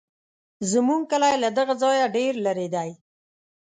زموږ کلی له دغه ځایه ډېر لرې دی.